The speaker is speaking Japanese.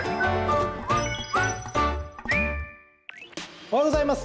おはようございます。